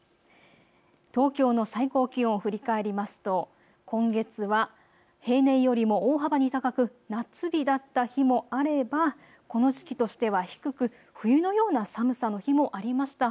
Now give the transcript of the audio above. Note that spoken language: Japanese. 東京の最高気温、振り返りますと今月は平年よりも大幅に高く夏日だった日もあればこの時期としては低く冬のような寒さの日もありました。